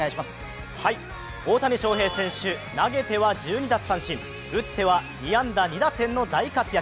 大谷翔平選手、投げては１２奪三振、打っては２安打２打点の大活躍。